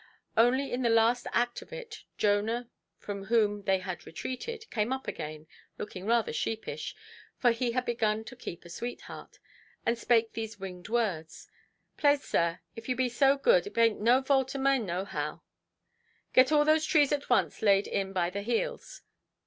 Only in the last act of it, Jonah, from whom they had retreated, came up again, looking rather sheepish—for he had begun to keep a sweetheart—and spake these winged words: "Plase, sir, if you be so good, it baint no vault o' maine nohow". "Get all those trees at once laid in by the heels.